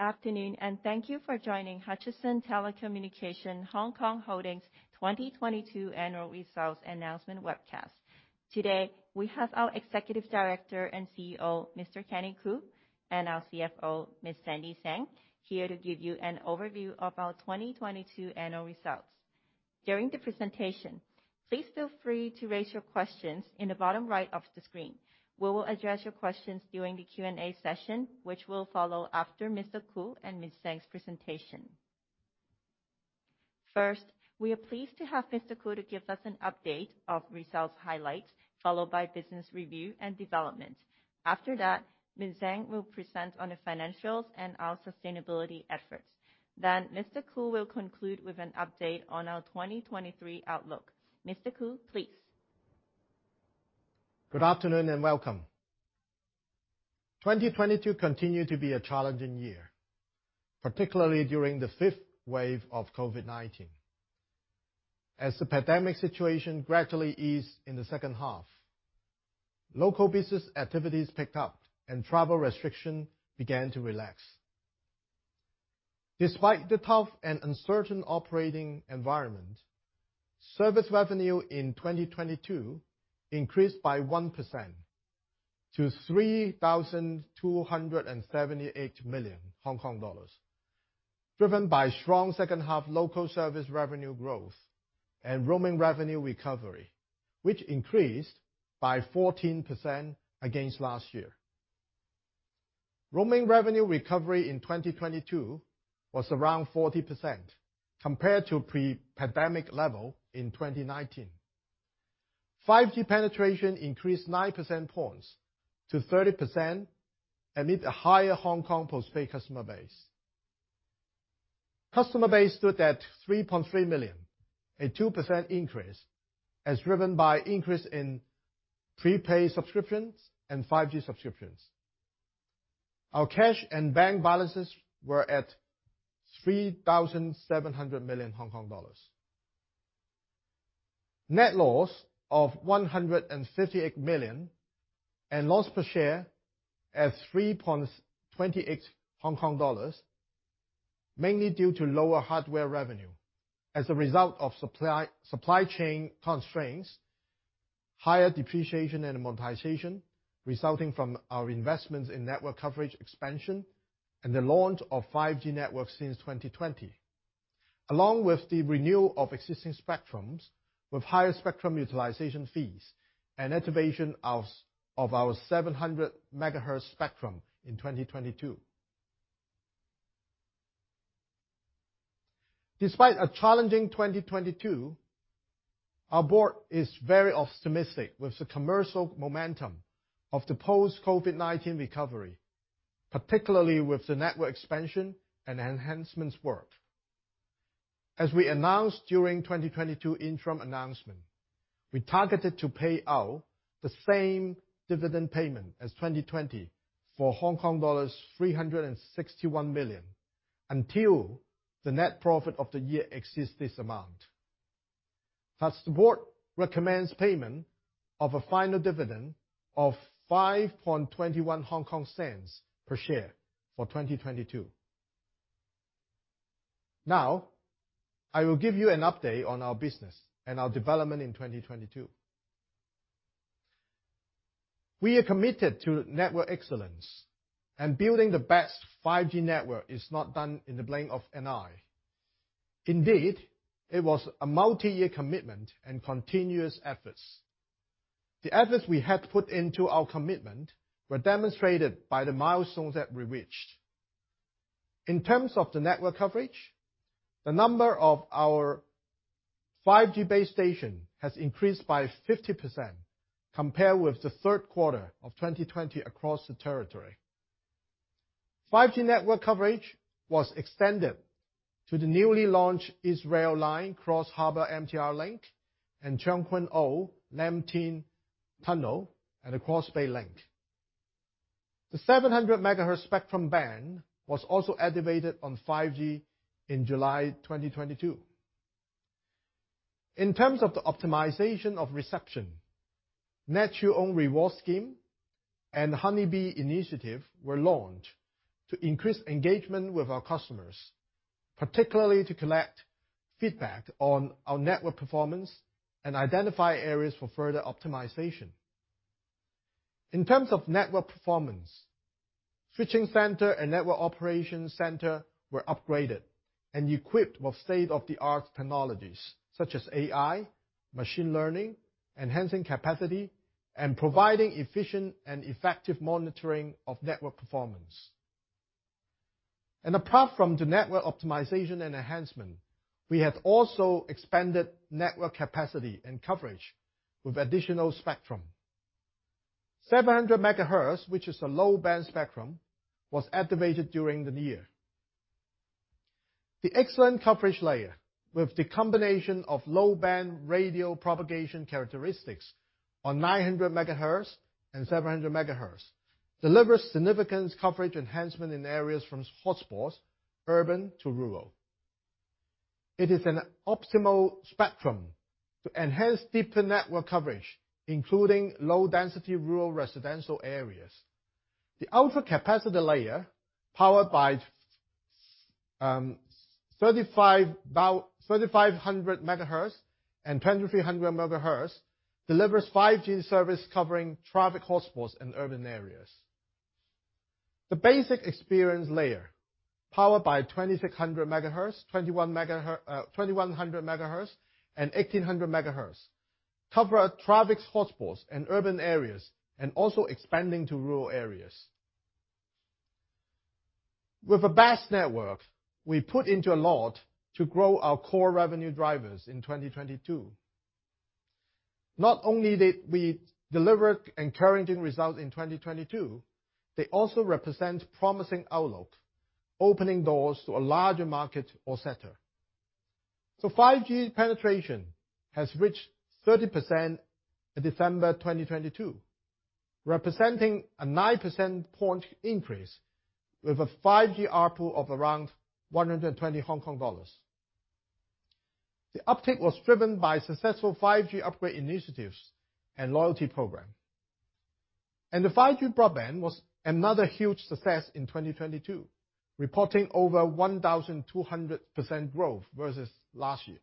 Afternoon, thank you for joining Hutchison Telecommunications Hong Kong Holdings's 2022 annual results announcement webcast. Today, we have our Executive Director and CEO, Mr. Kenny Koo, and our CFO, Ms. Sandy Tsang, here to give you an overview of our 2022 annual results. During the presentation, please feel free to raise your questions in the bottom right of the screen. We will address your questions during the Q&A session, which will follow after Mr. Koo and Ms. Tsang's presentation. First, we are pleased to have Mr. Koo to give us an update of results highlights, followed by business review and development. After that, Ms. Tsang will present on the financials and our sustainability efforts. Mr. Koo will conclude with an update on our 2023 outlook. Mr. Koo, please. Good afternoon and welcome. 2022 continued to be a challenging year, particularly during the fifth wave of COVID-19. The pandemic situation gradually eased in the H2, local business activities picked up and travel restriction began to relax. Despite the tough and uncertain operating environment, service revenue in 2022 increased by 1% to 3,278 million Hong Kong dollars, driven by strong H2 local service revenue growth and roaming revenue recovery, which increased by 14% against last year. Roaming revenue recovery in 2022 was around 40% compared to pre-pandemic level in 2019. 5G penetration increased 9 percentage points to 30% amid a higher Hong Kong post-paid customer base. Customer base stood at 3.3 million, a 2% increase, as driven by increase in prepaid subscriptions and 5G subscriptions. Our cash and bank balances were at 3,700 million Hong Kong dollars. Net loss of 158 million and loss per share at 3.28 Hong Kong dollars, mainly due to lower hardware revenue as a result of supply chain constraints, higher depreciation and amortization resulting from our investments in network coverage expansion and the launch of 5G networks since 2020, along with the renewal of existing spectrums with higher spectrum utilization fees and activation of our 700 MHz spectrum in 2022. Despite a challenging 2022, our board is very optimistic with the commercial momentum of the post-COVID-19 recovery, particularly with the network expansion and enhancements work. As we announced during 2022 interim announcement, we targeted to pay out the same dividend payment as 2020 for Hong Kong dollars 361 million until the net profit of the year exceeds this amount. The board recommends payment of a final dividend of 0.0521 per share for 2022. I will give you an update on our business and our development in 2022. We are committed to network excellence and building the best 5G network is not done in the blink of an eye. It was a multi-year commitment and continuous efforts. The efforts we had put into our commitment were demonstrated by the milestones that we reached. In terms of the network coverage, the number of our 5G base station has increased by 50% compared with the third quarter of 2020 across the territory. 5G network coverage was extended to the newly launched East Rail line cross-harbor MTR link and Tseung Kwan O-Lam Tin tunnel and the Cross Bay link. The 700 MHz spectrum band was also activated on 5G in July 2022. In terms of the optimization of reception, Net Your Own Reward scheme and HoneyBee initiative were launched to increase engagement with our customers, particularly to collect feedback on our network performance and identify areas for further optimization. In terms of network performance, switching center and network operation center were upgraded and equipped with state-of-the-art technologies such as AI, machine learning, enhancing capacity, and providing efficient and effective monitoring of network performance. Apart from the network optimization and enhancement, we have also expanded network capacity and coverage with additional spectrum. 700 MHz, which is a low-band spectrum, was activated during the year. The excellent coverage layer with the combination of low-band radio propagation characteristics on 900 MHz and 700 MHz delivers significant coverage enhancement in areas from hotspots, urban to rural. It is an optimal spectrum to enhance deeper network coverage, including low density rural residential areas. The ultra capacitor layer, powered by 3500 MHz and 2300 MHz, delivers 5G service covering traffic hotspots in urban areas. The basic experience layer, powered by 2600 MHz, 2100 MHz, and 1800 MHz, cover traffic hotspots in urban areas and also expanding to rural areas. With a vast network, we put into a lot to grow our core revenue drivers in 2022. Not only did we deliver encouraging results in 2022, they also represent promising outlook, opening doors to a larger market or sector. 5G penetration has reached 30% in December 2022, representing a 9 percentage point increase with a 5G ARPU of around 120 Hong Kong dollars. The uptick was driven by successful 5G upgrade initiatives and loyalty program. The 5G broadband was another huge success in 2022, reporting over 1,200% growth versus last year.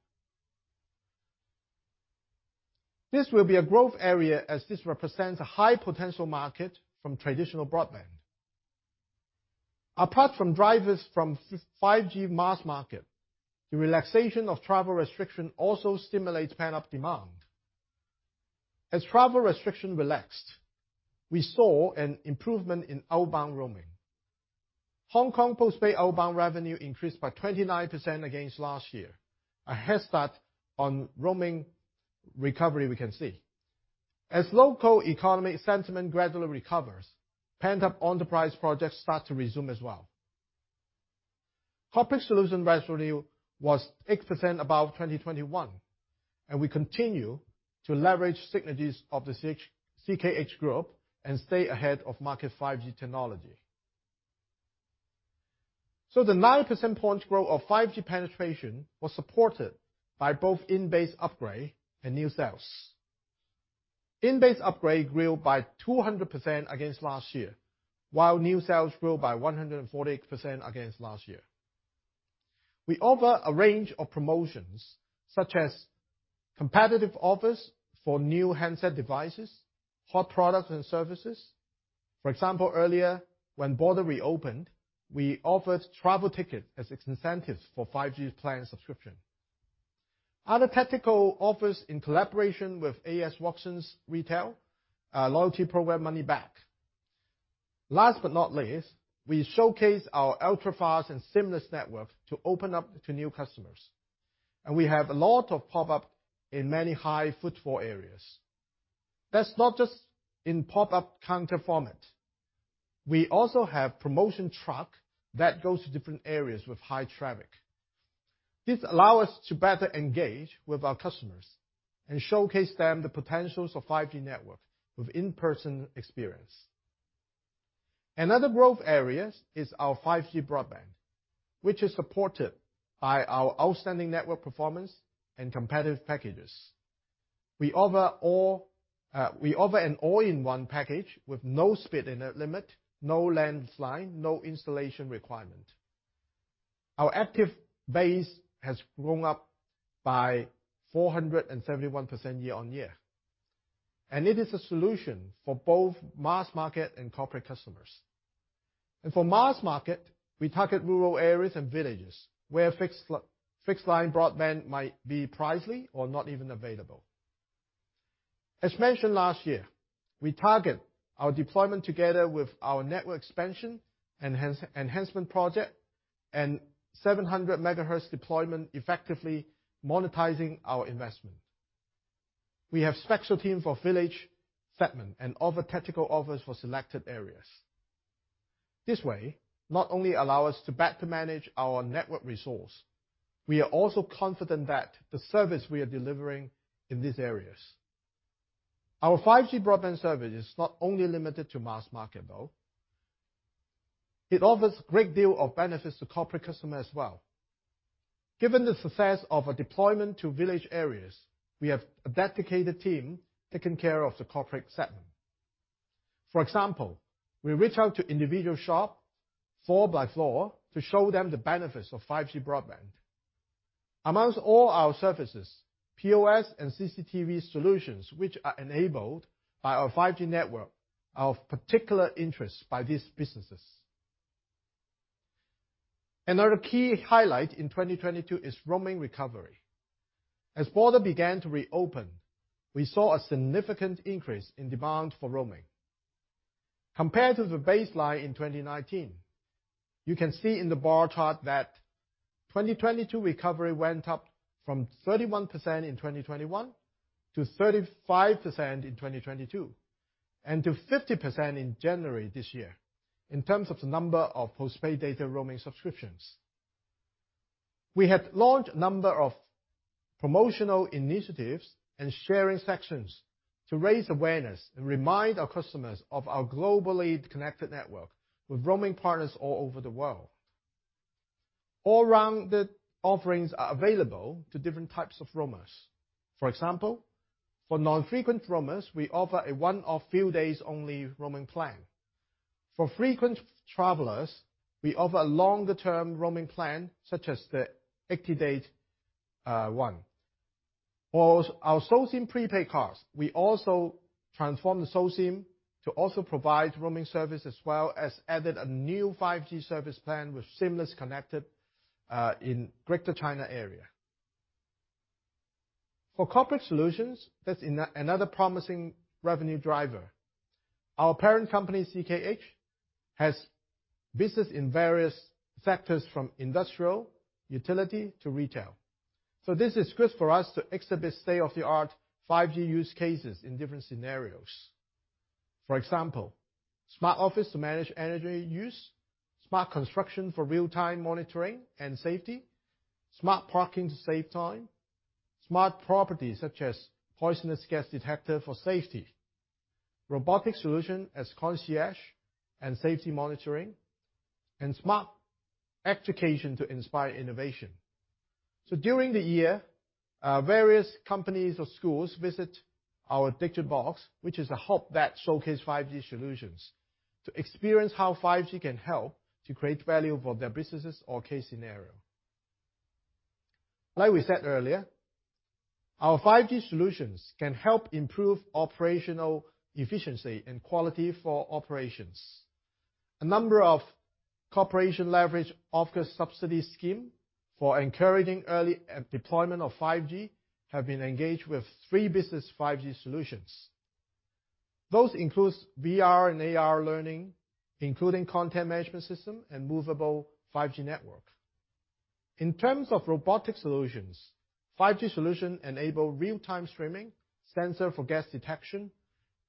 This will be a growth area as this represents a high potential market from traditional broadband. Apart from drivers from 5G mass market, the relaxation of travel restriction also stimulates pent-up demand. As travel restriction relaxed, we saw an improvement in outbound roaming. Hong Kong postpaid outbound revenue increased by 29% against last year, a head start on roaming recovery we can see. As local economy sentiment gradually recovers, pent-up enterprise projects start to resume as well. Corporate solution revenue was 8% above 2021. We continue to leverage synergies of the CKH Group and stay ahead of market 5G technology. The 9 percentage point growth of 5G penetration was supported by both in-base upgrade and new sales. In-base upgrade grew by 200% against last year, while new sales grew by 148% against last year. We offer a range of promotions, such as competitive offers for new handset devices, hot products and services. For example, earlier, when border reopened, we offered travel ticket as its incentives for 5G plan subscription. Other tactical offers in collaboration with A.S. Watson's Retail, loyalty program MoneyBack. Last but not least, we showcase our ultra-fast and seamless network to open up to new customers, and we have a lot of pop-up in many high footfall areas. That's not just in pop-up counter format. We also have promotion truck that goes to different areas with high traffic. This allow us to better engage with our customers and showcase them the potentials of 5G network with in-person experience. Another growth areas is our 5G broadband, which is supported by our outstanding network performance and competitive packages. We offer an all-in-one package with no speed internet limit, no landline, no installation requirement. Our active base has grown up by 471% year-on-year. It is a solution for both mass market and corporate customers. For mass market, we target rural areas and villages where fixed line broadband might be pricey or not even available. As mentioned last year, we target our deployment together with our network expansion enhancement project and 700 MHz deployment effectively monetizing our investment. We have special team for village segment and other tactical offers for selected areas. This way, not only allow us to better manage our network resource, we are also confident that the service we are delivering in these areas. Our 5G broadband service is not only limited to mass market, though. It offers great deal of benefits to corporate customer as well. Given the success of a deployment to village areas, we have a dedicated team taking care of the corporate segment. For example, we reach out to individual shop floor by floor to show them the benefits of 5G broadband. Among all our services, POS and CCTV solutions, which are enabled by our 5G network, are of particular interest by these businesses. Another key highlight in 2022 is roaming recovery. As border began to reopen, we saw a significant increase in demand for roaming. Compared to the baseline in 2019, you can see in the bar chart that 2022 recovery went up from 31% in 2021 to 35% in 2022, and to 50% in January this year in terms of the number of postpaid data roaming subscriptions. We have launched promotional initiatives and sharing sections to raise awareness and remind our customers of our globally connected network with roaming partners all over the world. All rounded offerings are available to different types of roamers. For example, for non-frequent roamers, we offer a one-off few days only roaming plan. For frequent travelers, we offer a longer-term roaming plan, such as the 80-day one. For our SoSIM prepaid cards, we also transform the SoSIM to also provide roaming service, as well as added a new 5G service plan with seamless connected in Greater China area. For corporate solutions, that's another promising revenue driver. Our parent company, CKH, has business in various sectors from industrial, utility to retail. This is good for us to exhibit state-of-the-art 5G use cases in different scenarios. For example, smart office to manage energy use, smart construction for real-time monitoring and safety, smart parking to save time, smart property such as poisonous gas detector for safety, robotic solution as concierge and safety monitoring, and smart education to inspire innovation. During the year, various companies or schools visit our DIGIBox, which is a hub that showcase 5G solutions, to experience how 5G can help to create value for their businesses or case scenario. Like we said earlier, our 5G solutions can help improve operational efficiency and quality for operations. A number of corporation leverage OFCA Subsidy Scheme for Encouraging Early Deployment of 5G have been engaged with three Business 5G solutions. Those includes VR and AR learning, including content management system and movable 5G network. In terms of robotic solutions, 5G solution enable real-time streaming, sensor for gas detection,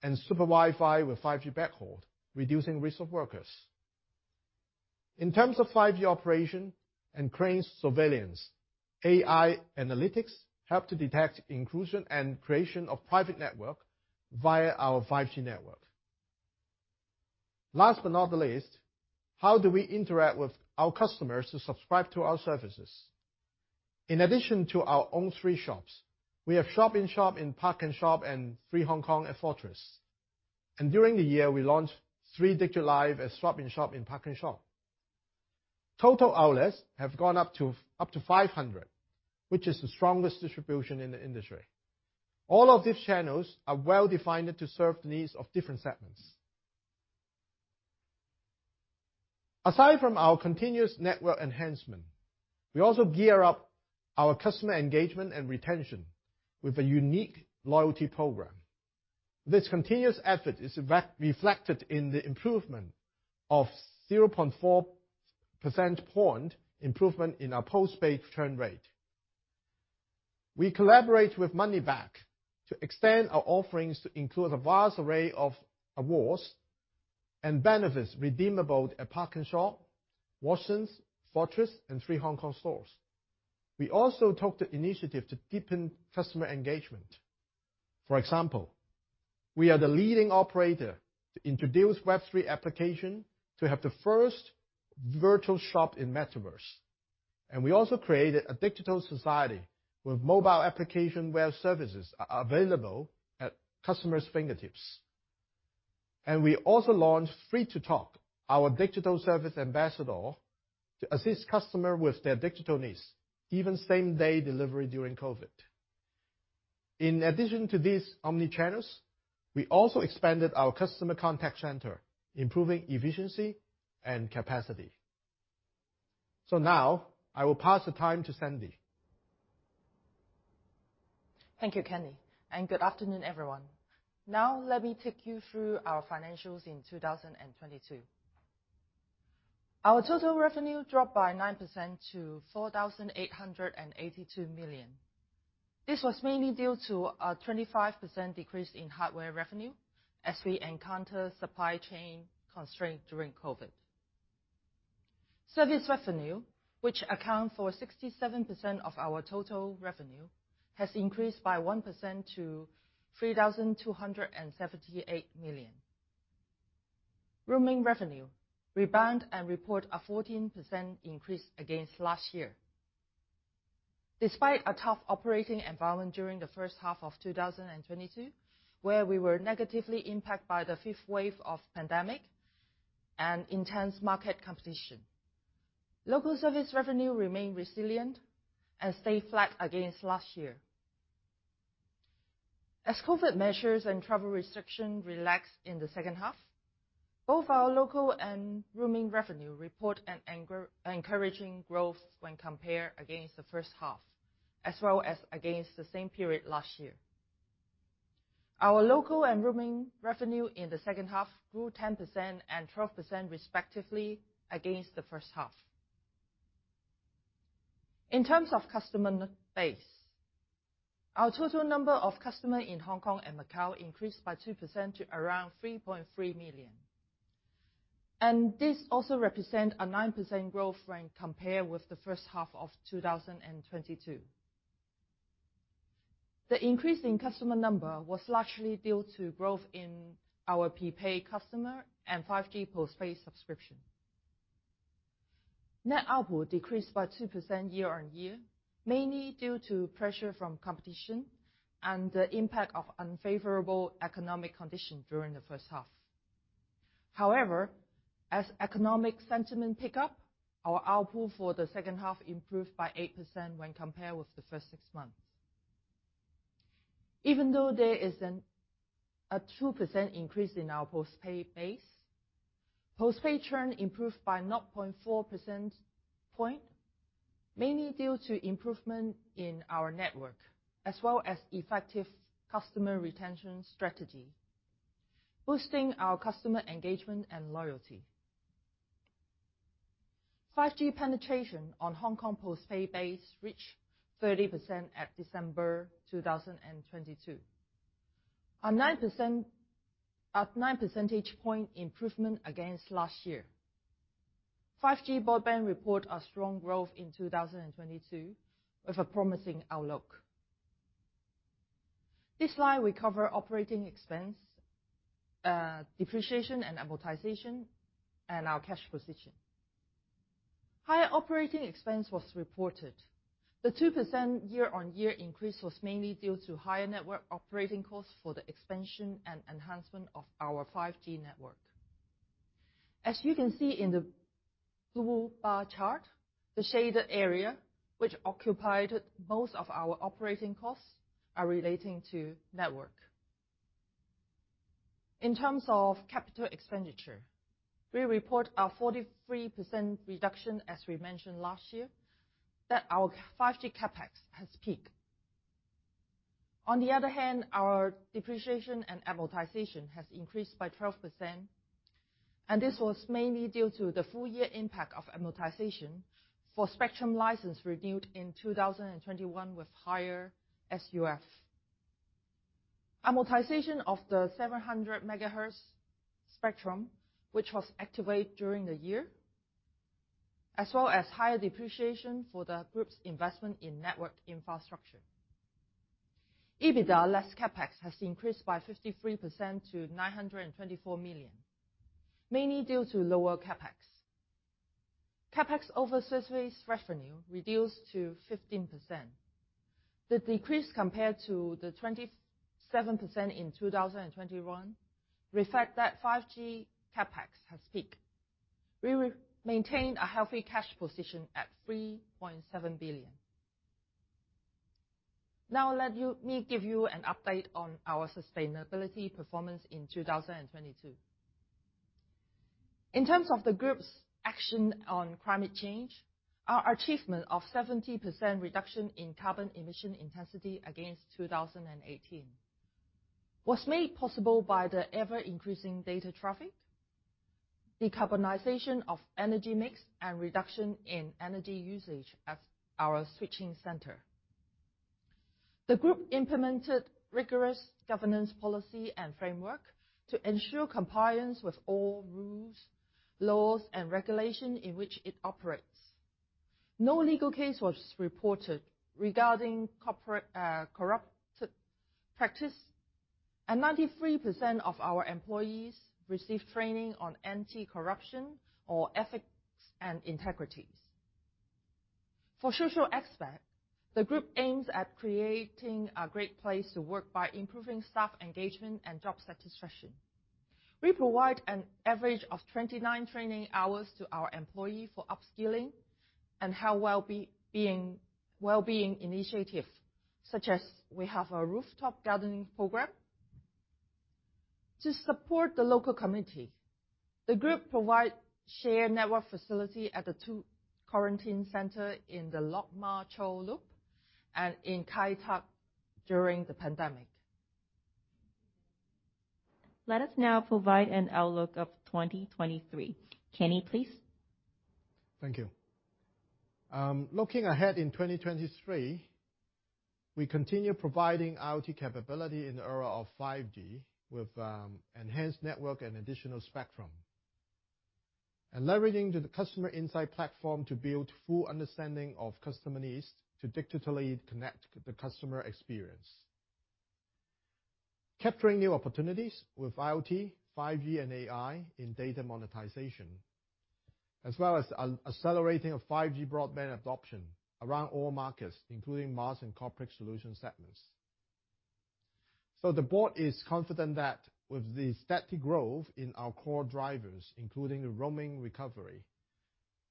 and Super Wi-Fi with 5G backhaul, reducing risk of workers. In terms of 5G operation and cranes surveillance, AI analytics help to detect intrusion and creation of private network via our 5G network. Last but not the least, how do we interact with our customers to subscribe to our services? In addition to our own 3 shops, we have shop-in-shop in PARKnSHOP and 3 Hong Kong at Fortress. During the year, we launched three DigiLive as shop-in-shop and PARKnSHOP. Total outlets have gone up to 500, which is the strongest distribution in the industry. All of these channels are well-defined to serve the needs of different segments. Aside from our continuous network enhancement, we also gear up our customer engagement and retention with a unique loyalty program. This continuous effort is reflected in the improvement of 0.4 percentage point improvement in our postpaid churn rate. We collaborate with MoneyBack to extend our offerings to include a vast array of awards and benefits redeemable at PARKnSHOP, Watsons, Fortress, and 3 Hong Kong stores. We also took the initiative to deepen customer engagement. For example, we are the leading operator to introduce Web3 application to have the first virtual shop in Metaverse. We also created a digital society with mobile application where services are available at customers' fingertips. We also launched 3toTalk, our digital service ambassador, to assist customer with their digital needs, even same-day delivery during COVID. In addition to these omnichannels, we also expanded our customer contact center, improving efficiency and capacity. Now, I will pass the time to Sandy. Thank you, Kenny. Good afternoon, everyone. Let me take you through our financials in 2022. Our total revenue dropped by 9% to 4,882 million. This was mainly due to a 25% decrease in hardware revenue as we encounter supply chain constraint during COVID. Service revenue, which account for 67% of our total revenue, has increased by 1% to 3,278 million. Roaming revenue rebound and report a 14% increase against last year. Despite a tough operating environment during the H1 of 2022, where we were negatively impacted by the fifth wave of pandemic and intense market competition. Local service revenue remained resilient and stayed flat against last year. As COVID measures and travel restriction relaxed in the H2, both our local and roaming revenue report an encouraging growth when compared against the H1, as well as against the same period last year. Our local and roaming revenue in the H2 grew 10% and 12% respectively against the H1. In terms of customer base, our total number of customer in Hong Kong and Macau increased by 2% to around 3.3 million. This also represent a 9% growth when compared with the H1 of 2022. The increase in customer number was largely due to growth in our prepaid customer and 5G postpaid subscription. Net output decreased by 2% year-on-year, mainly due to pressure from competition and the impact of unfavorable economic condition during the H1. However, as economic sentiment pick up, our output for the H2 improved by 8% when compared with the first six months. Even though there is a 2% increase in our postpaid base, postpaid trend improved by 0.4 percentage point, mainly due to improvement in our network, as well as effective customer retention strategy, boosting our customer engagement and loyalty. 5G penetration on Hong Kong postpaid base reached 30% at December 2022. A 9 percentage point improvement against last year. 5G broadband report a strong growth in 2022, with a promising outlook. This slide we cover operating expense, depreciation and amortization, and our cash position. Higher operating expense was reported. The 2% year-over-year increase was mainly due to higher network operating costs for the expansion and enhancement of our 5G network. As you can see in the blue bar chart, the shaded area which occupied most of our operating costs are relating to network. In terms of capital expenditure, we report a 43% reduction as we mentioned last year, that our 5G CapEx has peaked. On the other hand, our depreciation and amortization has increased by 12%, and this was mainly due to the full year impact of amortization for spectrum license renewed in 2021 with higher SUF. Amortization of the 700 MHz spectrum, which was activated during the year, as well as higher depreciation for the group's investment in network infrastructure. EBITDA, less CapEx, has increased by 53% to 924 million, mainly due to lower CapEx. CapEx over service revenue reduced to 15%. The decrease compared to the 27% in 2021 reflect that 5G CapEx has peaked. We will maintain a healthy cash position at 3.7 billion. Let me give you an update on our sustainability performance in 2022. In terms of the group's action on climate change, our achievement of 70% reduction in carbon emission intensity against 2018 was made possible by the ever-increasing data traffic, decarbonization of energy mix, and reduction in energy usage at our switching center. The group implemented rigorous governance policy and framework to ensure compliance with all rules, laws, and regulations in which it operates. No legal case was reported regarding corporate corrupt practice, and 93% of our employees received training on anti-corruption or ethics and integrity. For social aspect, the group aims at creating a great place to work by improving staff engagement and job satisfaction. We provide an average of 29 training hours to our employee for upskilling and her well-being initiatives, such as we have a rooftop gardening program. To support the local community, the group provide shared network facility at the two quarantine center in the Lok Ma Chau Loop and in Kai Tak during the pandemic. Let us now provide an outlook of 2023. Kenny, please. Thank you. Looking ahead in 2023, we continue providing IoT capability in the era of 5G with enhanced network and additional spectrum. Leveraging the customer insight platform to build full understanding of customer needs to digitally connect the customer experience. Capturing new opportunities with IoT, 5G, and AI in data monetization, as well as accelerating of 5G broadband adoption around all markets, including mass and corporate solution segments. The board is confident that with the steady growth in our core drivers, including the roaming recovery,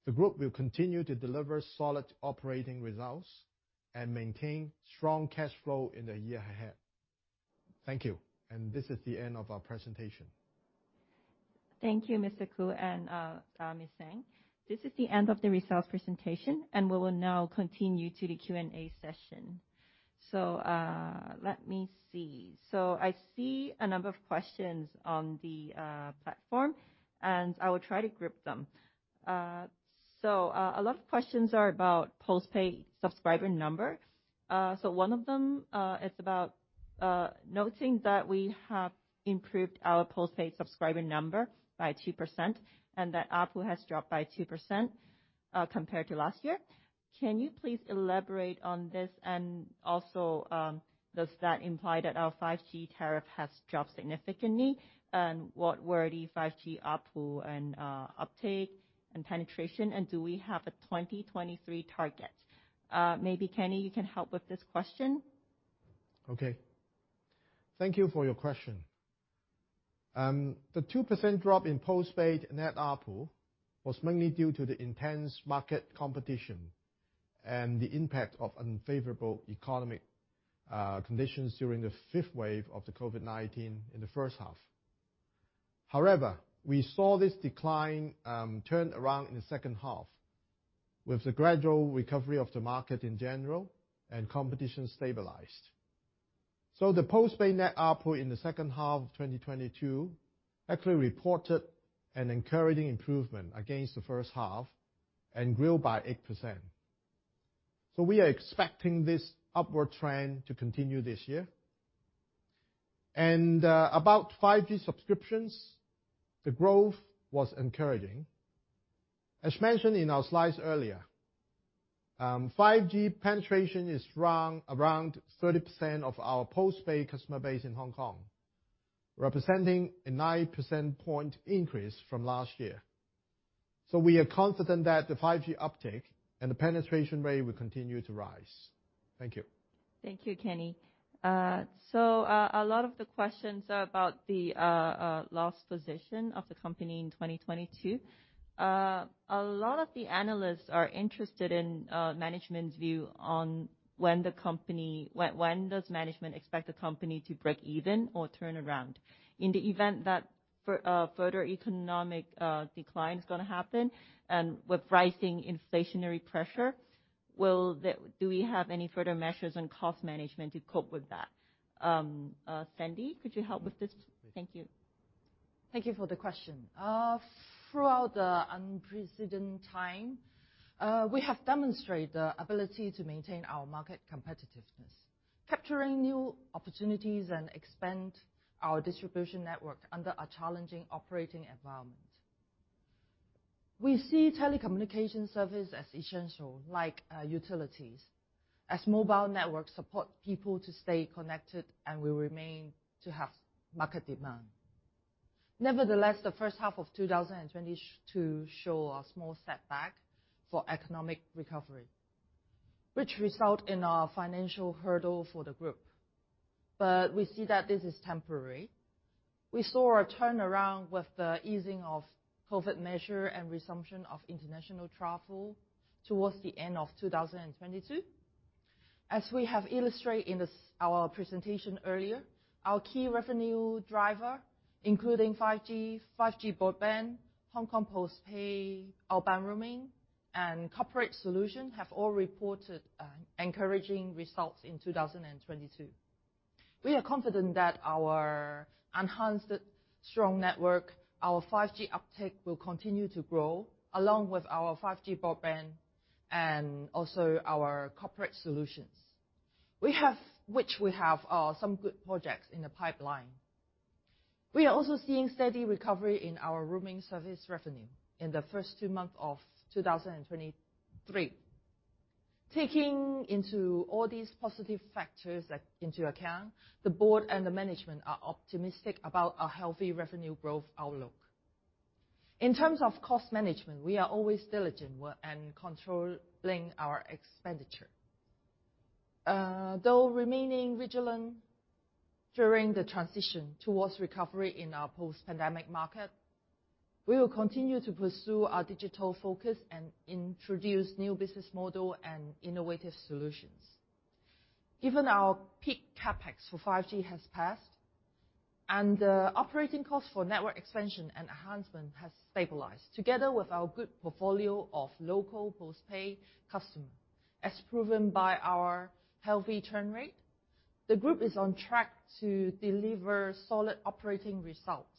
the group will continue to deliver solid operating results and maintain strong cash flow in the year ahead. Thank you. This is the end of our presentation. Thank you, Mr. Koo and Ms. Tsang. This is the end of the results presentation. We will now continue to the Q&A session. Let me see. I see a number of questions on the platform, and I will try to group them. A lot of questions are about postpaid subscriber number. One of them, noting that we have improved our post-paid subscriber number by 2%, and that ARPU has dropped by 2% compared to last year. Can you please elaborate on this? Does that imply that our 5G tariff has dropped significantly? What were the 5G ARPU and uptake and penetration, and do we have a 2023 target? Maybe Kenny, you can help with this question. Okay. Thank you for your question. The 2% drop in post-paid net ARPU was mainly due to the intense market competition, and the impact of unfavorable economic conditions during the fifth wave of the COVID-19 in the H1. However, we saw this decline turn around in the H2 with the gradual recovery of the market in general and competition stabilized. The post-paid net ARPU in the H2 of 2022 actually reported an encouraging improvement against the H1 and grew by 8%. We are expecting this upward trend to continue this year. About 5G subscriptions, the growth was encouraging. As mentioned in our slides earlier, 5G penetration is around 30% of our post-paid customer base in Hong Kong, representing a 9% point increase from last year. We are confident that the 5G uptake and the penetration rate will continue to rise. Thank you. Thank you, Kenny. A lot of the questions are about the last position of the company in 2022. A lot of the analysts are interested in management's view on when does management expect the company to break even or turn around? In the event that further economic decline is gonna happen and with rising inflationary pressure, do we have any further measures on cost management to cope with that? Sandy, could you help with this, please? Thank you. Thank you for the question. Throughout the unprecedented time, we have demonstrated the ability to maintain our market competitiveness, capturing new opportunities and expand our distribution network under a challenging operating environment. We see telecommunication service as essential, like utilities, as mobile networks support people to stay connected and will remain to have market demand. The H1 of 2022 show a small setback for economic recovery, which result in a financial hurdle for the group. We see that this is temporary. We saw a turnaround with the easing of COVID measure and resumption of international travel towards the end of 2022. As we have illustrated in this, our presentation earlier, our key revenue driver, including 5G broadband, Hong Kong post-pay, outband roaming, and corporate solution, have all reported encouraging results in 2022. We are confident that our enhanced strong network, our 5G uptake will continue to grow, along with our 5G broadband and also our corporate solutions. Which we have some good projects in the pipeline. We are also seeing steady recovery in our roaming service revenue in the first two months of 2023. Taking all these positive factors into account, the board and the management are optimistic about a healthy revenue growth outlook. In terms of cost management, we are always diligent with and controlling our expenditure. Though remaining vigilant during the transition towards recovery in our post-pandemic market, we will continue to pursue our digital focus and introduce new business model and innovative solutions. Given our peak CapEx for 5G has passed, and operating costs for network expansion and enhancement has stabilized, together with our good portfolio of local post-pay customer, as proven by our healthy churn rate, the group is on track to deliver solid operating results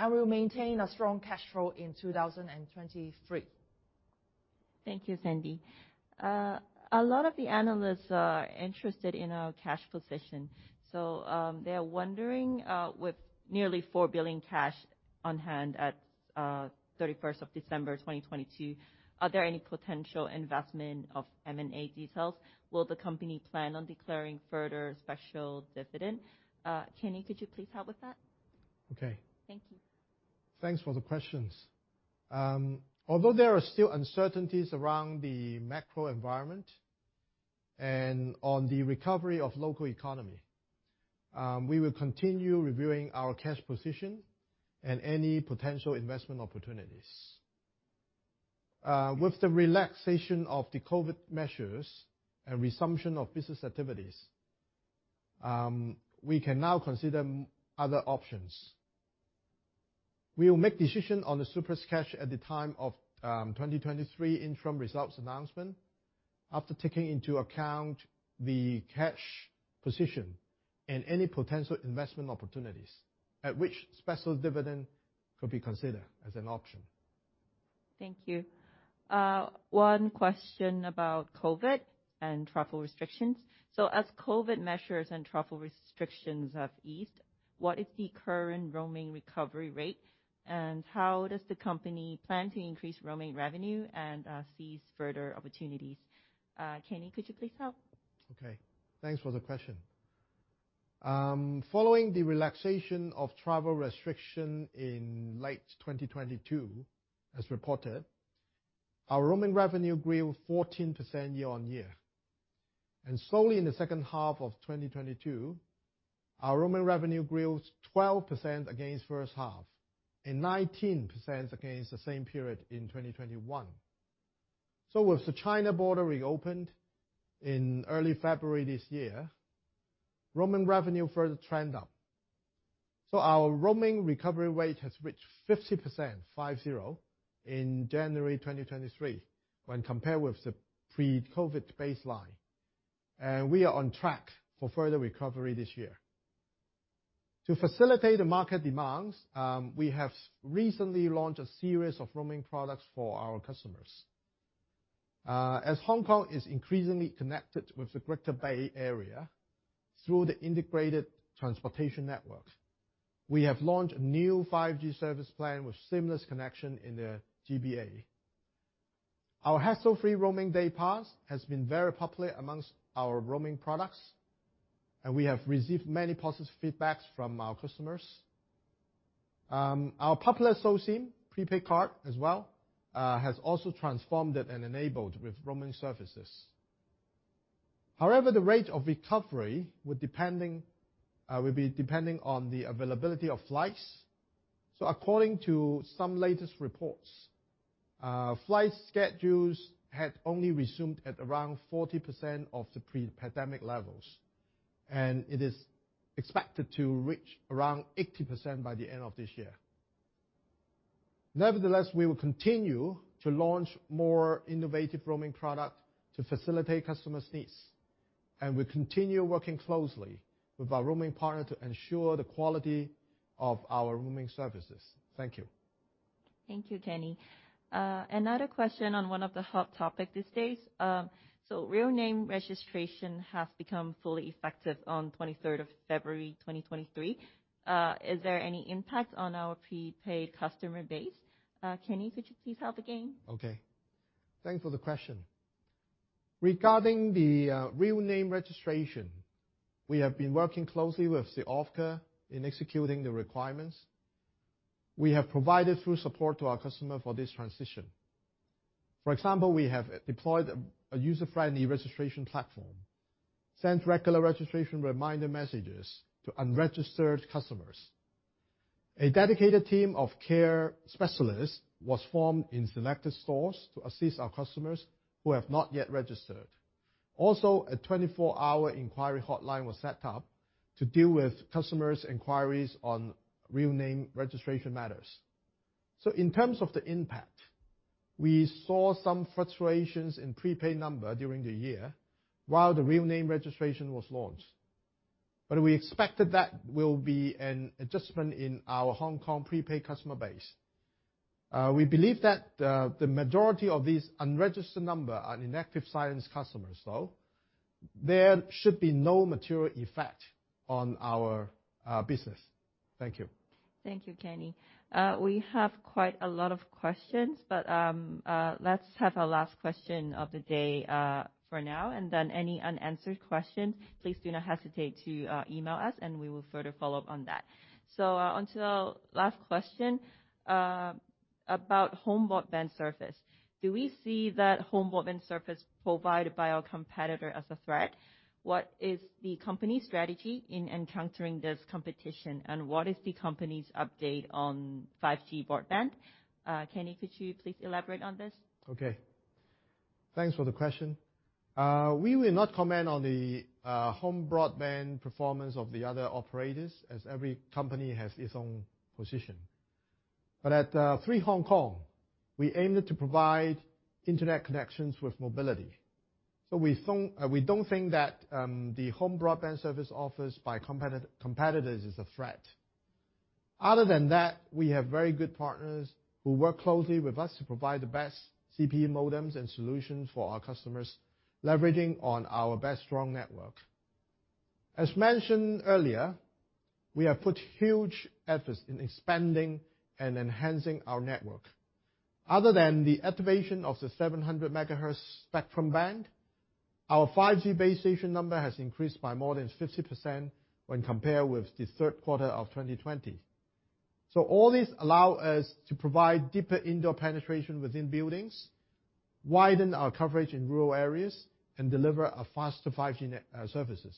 and will maintain a strong cash flow in 2023. Thank you, Sandy. A lot of the analysts are interested in our cash position. They're wondering, with nearly 4 billion cash on hand at 31st of December, 2022, are there any potential investment of M&A details? Will the company plan on declaring further special dividend? Kenny, could you please help with that? Okay. Thank you. Thanks for the questions. Although there are still uncertainties around the macro environment and on the recovery of local economy, we will continue reviewing our cash position and any potential investment opportunities. With the relaxation of the COVID measures and resumption of business activities, we can now consider other options. We will make decision on the surplus cash at the time of 2023 interim results announcement after taking into account the cash position and any potential investment opportunities, at which special dividend could be considered as an option. Thank you. One question about COVID and travel restrictions. As COVID measures and travel restrictions have eased, what is the current roaming recovery rate, and how does the company plan to increase roaming revenue and seize further opportunities? Kenny, could you please help? Okay. Thanks for the question. Following the relaxation of travel restriction in late 2022 as reported, our roaming revenue grew 14% year-on-year. Slowly in the H2 of 2022, our roaming revenue grew 12% against H1, and 19% against the same period in 2021. With the China border reopened in early February this year, roaming revenue further trend up. Our roaming recovery rate has reached 50%, five zero, in January 2023 when compared with the pre-COVID baseline. We are on track for further recovery this year. To facilitate the market demands, we have recently launched a series of roaming products for our customers. As Hong Kong is increasingly connected with the Greater Bay Area through the integrated transportation network, we have launched a new 5G service plan with seamless connection in the GBA. Our hassle-free roaming day pass has been very popular amongst our roaming products, and we have received many positive feedbacks from our customers. Our popular SoSIM prepaid card as well, has also transformed it and enabled with roaming services. The rate of recovery will be depending on the availability of flights. According to some latest reports, flight schedules had only resumed at around 40% of the pre-pandemic levels, and it is expected to reach around 80% by the end of this year. We will continue to launch more innovative roaming product to facilitate customers' needs, and we continue working closely with our roaming partner to ensure the quality of our roaming services. Thank you. Thank you, Kenny. Another question on one of the hot topic these days. Real-name Registration has become fully effective on 23rd of February, 2023. Is there any impact on our prepaid customer base? Kenny, could you please help again? Okay. Thanks for the question. Regarding the Real-name Registration, we have been working closely with the OFCA in executing the requirements. We have provided full support to our customer for this transition. For example, we have deployed a user-friendly registration platform, sent regular registration reminder messages to unregistered customers. A dedicated team of care specialists was formed in selected stores to assist our customers who have not yet registered. Also, a 24-hour inquiry hotline was set up to deal with customers' inquiries on Real-name Registration matters. In terms of the impact, we saw some frustrations in prepaid number during the year while the Real-name Registration was launched. We expected that will be an adjustment in our Hong Kong prepaid customer base. We believe that the majority of these unregistered number are inactive SIM customers, so there should be no material effect on our business. Thank you. Thank you, Kenny. We have quite a lot of questions, but let's have a last question of the day for now, and then any unanswered question, please do not hesitate to email us, and we will further follow up on that. Onto our last question about home broadband service. Do we see that home broadband service provided by our competitor as a threat? What is the company strategy in encountering this competition, and what is the company's update on 5G broadband? Kenny, could you please elaborate on this? Okay. Thanks for the question. We will not comment on the home broadband performance of the other operators as every company has its own position. At 3 Hong Kong, we aim to provide internet connections with mobility. We don't think that the home broadband service offers by competitors is a threat. Other than that, we have very good partners who work closely with us to provide the best CPE modems and solutions for our customers, leveraging on our best strong network. As mentioned earlier, we have put huge efforts in expanding and enhancing our network. Other than the activation of the 700 MHz spectrum band, our 5G base station number has increased by more than 50% when compared with the third quarter of 2020. All this allow us to provide deeper indoor penetration within buildings, widen our coverage in rural areas, and deliver a faster 5G net services.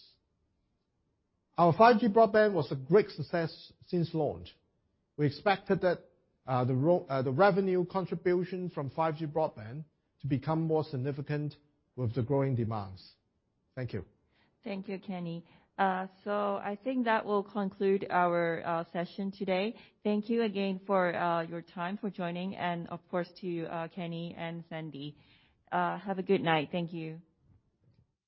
Our 5G broadband was a great success since launch. We expected that the revenue contribution from 5G broadband to become more significant with the growing demands. Thank you. Thank you, Kenny. I think that will conclude our session today. Thank you again for your time, for joining. Of course, to Kenny and Sandy. Have a good night. Thank you.